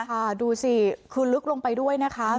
ค่ะดูสิคือลึกลงไปด้วยนะคะ